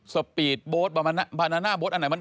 สปีดโบ๊ทบานาน่าโบ๊ทอันไหนมัน